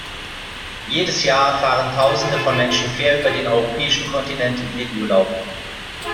Jedes Jahr fahren Tausende von Menschen quer über den europäischen Kontinent in den Urlaub.